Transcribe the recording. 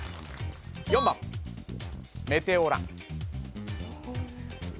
４番メテオラ